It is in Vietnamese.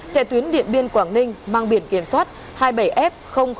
chạy tuyến điện biên quảng ninh mang biển kiểm soát hai mươi bảy f năm mươi tám